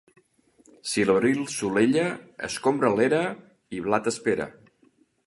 Si l'abril solella, escombra l'era i blat espera.